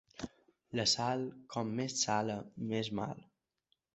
La sal, com més sala més mal.